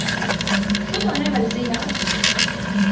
Tu to nevari zināt!